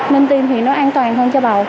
mình tin thì nó an toàn